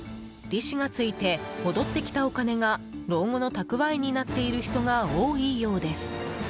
利子がついて戻ってきたお金が老後の蓄えになっている人が多いようです。